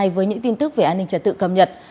với những tin tức về an ninh trật tự cập nhật